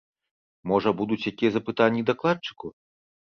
Можа, будуць якія запытанні дакладчыку?